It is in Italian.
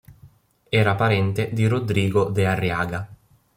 Era parente di Rodrigo de Arriaga.